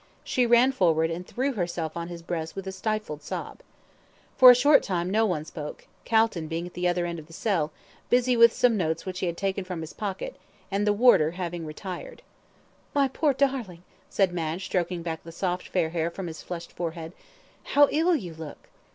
She ran forward, and threw herself on his breast with a stifled sob. For a short time no one spoke Calton being at the other end of the cell, busy with some notes which he had taken from his pocket, and the warder having retired. "My poor darling," said Madge, stroking back the soft, fair hair from his flushed forehead, "how ill you look."